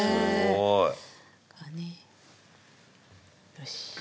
よし！